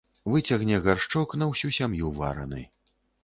Выцягне гаршчок на ўсю сям'ю вараны.